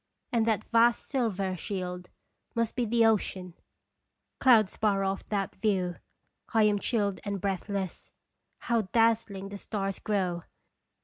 and that vast silver shield must be the ocean ! Clouds bar off that view. I am chilled and breathless. How daz zling the stars grow